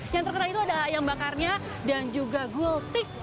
yang terkenal itu ada ayam bakarnya dan juga gultik